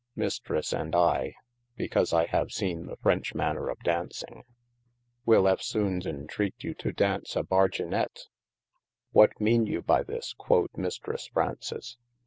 Mistresse and I (because I have seene the french maner of dauncing) will eftsonnes entreat you to daunce a Bargynet : what meane you by thys quod mistresse Fraunces.